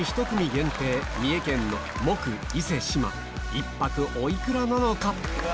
１泊お幾らなのか？